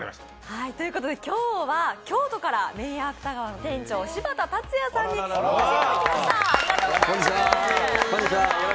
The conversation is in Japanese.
今日は、京都から麺家あくた川の店長、柴田達哉さんにお越しいただきました。